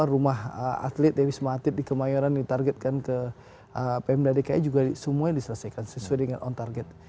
rumah atlet di wisma atlet di kemayoran ditargetkan ke pmd dki juga semuanya diselesaikan sesuai dengan on target